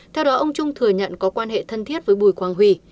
theo đó ông trung thừa nhận có quan hệ thân thiết với bùi quang huy